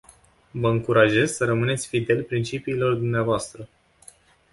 Vă încurajez să rămâneți fidel principiilor dvs.